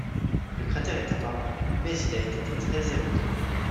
Le cratère est apparent, mais il a été très érodé.